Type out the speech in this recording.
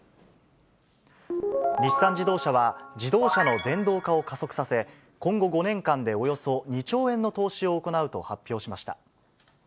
日産自動車は、自動車の電動化を加速させ、今後５年間でおよそ２兆円の投資を行うと発表しました。